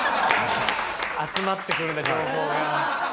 集まってくるんだ情報が。